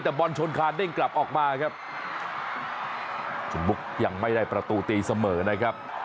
แต่บอลชนคานเด้งกลับออกมาครับคุณบุ๊กยังไม่ได้ประตูตีเสมอนะครับ